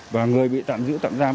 và người bị tạm giữ tạm giam